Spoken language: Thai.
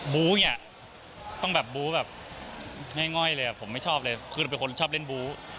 อ่ะต้องแบบบู๊แบบง่ายเลยผมไม่ชอบเลยคือเราเป็นคนชอบเล่นบู๊